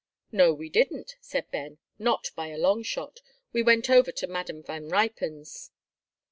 "No, we didn't," said Ben, "not by a long shot; we went over to Madam Van Ruypen's."